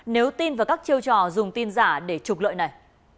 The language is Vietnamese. nếu tin vào các chiêu trò dùng tin giả để trục lợi này